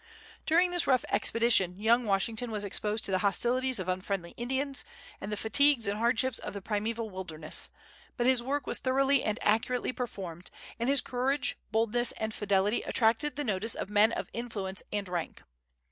During this rough expedition young Washington was exposed to the hostilities of unfriendly Indians and the fatigues and hardships of the primeval wilderness; but his work was thoroughly and accurately performed, and his courage, boldness, and fidelity attracted the notice of men of influence and rank.